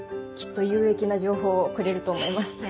きっと有益な情報をくれると思います。